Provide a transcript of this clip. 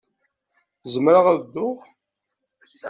Zemreɣ ad dduɣ?